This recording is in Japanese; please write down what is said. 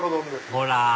ほら！